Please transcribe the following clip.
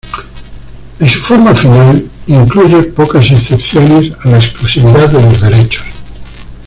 En su forma final, incluye pocas excepciones a la exclusividad de los derechos.